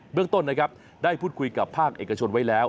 เรื่องต้นนะครับได้พูดคุยกับภาคเอกชนไว้แล้ว